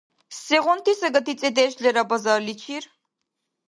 Сегъунти сагати цӀедеш лера базарличир?